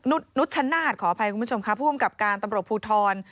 นุชชนาศขออภัยคุณผู้ชมค่ะผู้อำกับการตำรวจภูทร